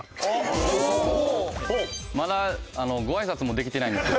まだごあいさつもできてないんですよ。